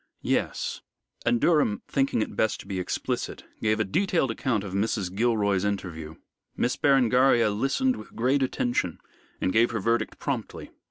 "Yes." And Durham, thinking it best to be explicit, gave a detailed account of Mrs. Gilroy's interview. Miss Berengaria listened with great attention, and gave her verdict promptly.